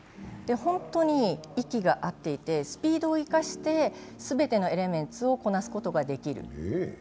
本当に息が合っていて、スピードを生かして全てのエレメンツをこなすことができる。